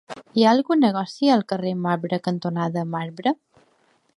Hi ha algun negoci al carrer Marbre cantonada Marbre?